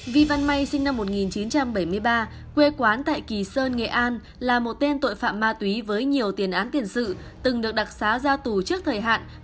vi văn may sinh năm một nghìn chín trăm bảy mươi ba quê quán tại kỳ sơn nghệ an là một tên tội phạm ma túy với nhiều tiền án tiền sự từng được đặc xá ra tù trước thời hạn vào tháng bốn năm hai nghìn năm